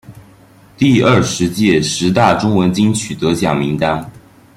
第二十届十大中文金曲得奖名单